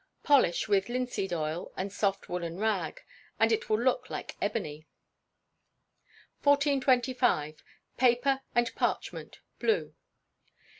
Polish with linseed oil and soft woollen rag, and it will look like ebony. 1425. Paper and Parchment._Blue.